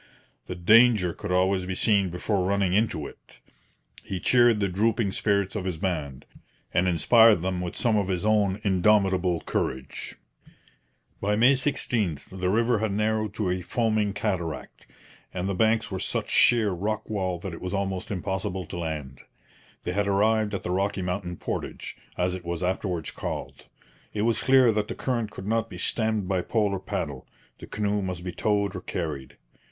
The danger could always be seen before running into it. He cheered the drooping spirits of his band, and inspired them with some of his own indomitable courage. By May 16 the river had narrowed to a foaming cataract; and the banks were such sheer rock wall that it was almost impossible to land. They had arrived at the Rocky Mountain Portage, as it was afterwards called. It was clear that the current could not be stemmed by pole or paddle; the canoe must be towed or carried.